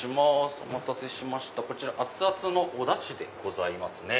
お待たせしましたこちら熱々のおダシでございます。